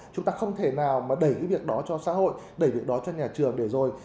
chúng ta không thể nào mà đẩy cái việc đó cho xã hội đẩy việc đó cho nhà trường để rồi